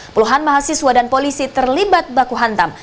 puluhan mahasiswa dan polisi terlibat baku hantam